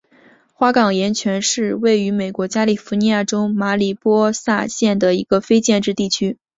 花岗岩泉是位于美国加利福尼亚州马里波萨县的一个非建制地区。